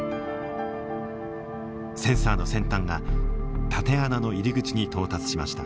センサーの先端が縦穴の入り口に到達しました。